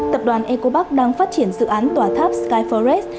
tập đoàn eco park đang phát triển dự án tòa tháp sky forest